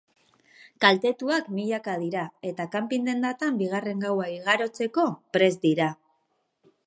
Kaltetuak milaka dira eta kanpin-dendatan bigarren gaua igarotzeko prest dira.